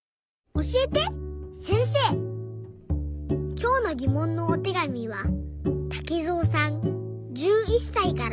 きょうのぎもんのおてがみはたけぞうさん１１さいから。